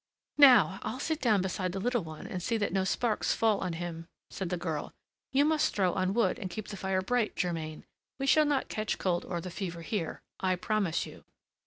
"Now, I'll sit down beside the little one and see that no sparks fall on him," said the girl. "You must throw on wood and keep the fire bright, Germain! we shall not catch cold or the fever here, I promise you."